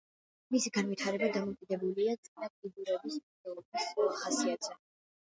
მისი განვითარება დამოკიდებულია წინა კიდურების მოძრაობის ხასიათზე.